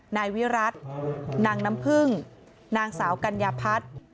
นายวิรัตินางน้ำพึ่งนางสาวกัญญาพัฒน์